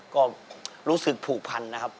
ก็รู้สึกผูกพันนะครับ